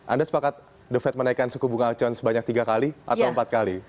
anda sepakat the fed menaikkan suku bunga acuan sebanyak tiga kali atau empat kali